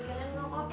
kalian mau kopi